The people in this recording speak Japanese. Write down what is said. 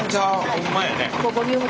ホンマやね。